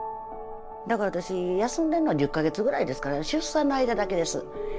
だから私休んでるのは１０か月ぐらいですから出産の間だけです。